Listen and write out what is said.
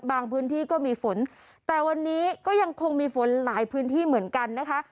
พื้นที่ก็มีฝนแต่วันนี้ก็ยังคงมีฝนหลายพื้นที่เหมือนกันนะคะ